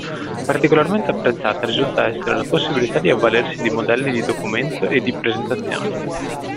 Particolarmente apprezzata risulta essere la possibilità di avvalersi di modelli di documento e di presentazioni.